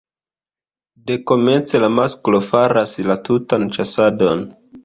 Dekomence la masklo faras la tutan ĉasadon.